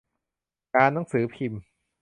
การหนังสือพิมพ์